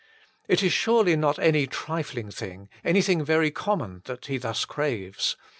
It is surely not any trilling thing, anything very common, that he thus craves.